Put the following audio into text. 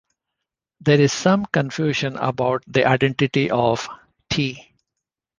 There is some confusion about the identity of T.